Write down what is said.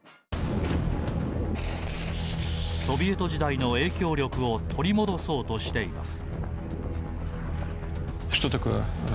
ソビエト時代の影響力を取り戻そうとしています。